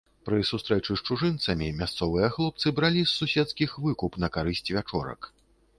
Пры сустрэчы з чужынцамі мясцовыя хлопцы бралі з суседскіх выкуп на карысць вячорак.